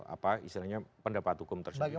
apa istilahnya pendapat hukum tersendiri